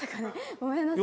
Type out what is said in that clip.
ごめんなさい。